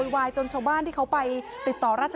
วันเท่าไหร่